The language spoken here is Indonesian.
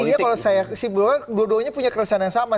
intinya kalau saya simpulkan dua duanya punya keresan yang sama